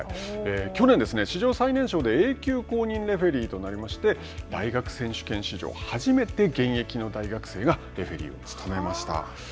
去年、史上最年少でＡ級公認レフェリーとなり大学選手権史上初めて現役の大学生がレフェリーを務めました。